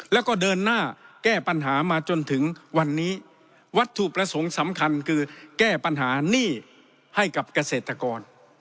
แล้วก็เดินหน้าแก้ปัญหามาจนถึงวันนี้วัตถุประสงค์สำคัญคือแก้ปัญหาหนี้ให้กับเกษตรกร